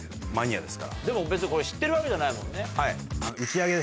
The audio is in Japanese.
でも別にこれ知ってるわけじゃないもんね。